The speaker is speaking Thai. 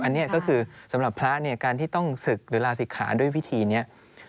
อันนี้ก็คือสำหรับพระเนี่ยการที่ต้องศึกหรือลาศิกขาด้วยวิธีนี้